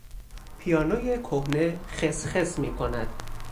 پیانوی کهنه خسخس میکند.